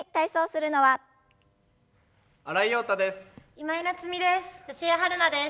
今井菜津美です。